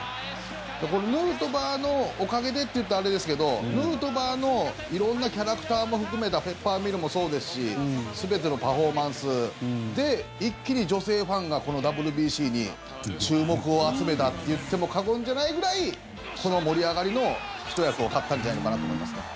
これヌートバーのおかげでと言うとあれですけどヌートバーの色んなキャラクターも含めたペッパーミルもそうですし全てのパフォーマンスで一気に女性ファンがこのＷＢＣに注目を集めたと言っても過言じゃないくらいこの盛り上がりのひと役を買ったんじゃないのかなと思いますね。